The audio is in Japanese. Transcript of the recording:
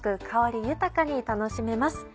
香り豊かに楽しめます。